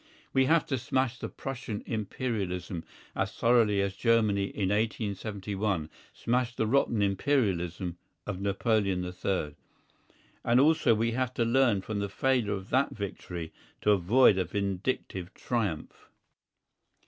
We have to smash the Prussian Imperialism as thoroughly as Germany in 1871 smashed the rotten Imperialism of Napoleon III. And also we have to learn from the failure of that victory to avoid a vindictive triumph.